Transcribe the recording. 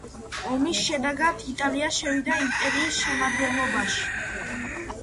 ომის შედეგად იტალია შევიდა იმპერიის შემადგენლობაში.